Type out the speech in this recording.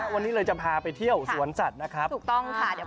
วันนี้เลยจะพาไปเที่ยวสวนสัตว์นะครับ